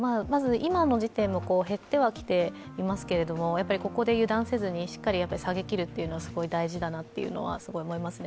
今の時点減ってはきていますけどここで油断せずにしっかり下げきるというのがすごく大事だなと思いますね。